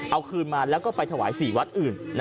เอาคืนมาแล้วก็ไปถวาย๔วัดอื่น